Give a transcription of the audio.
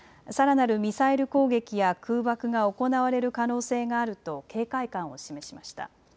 さらなるミサイル攻撃や空爆が行われる可能性があると警戒感を示しました。